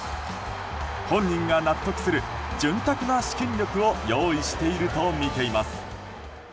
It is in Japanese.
本人が納得する潤沢な資金力を用意しているとみています。